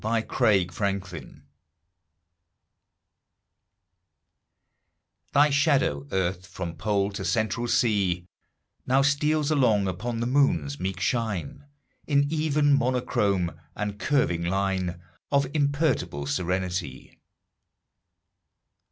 AT A LUNAR ECLIPSE THY shadow, Earth, from Pole to Central Sea, Now steals along upon the Moon's meek shine In even monochrome and curving line Of imperturbable serenity.